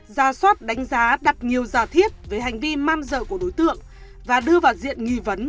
ra soát đánh giá đặt nhiều giả thiết về hành vi man dợ của đối tượng và đưa vào diện nghi vấn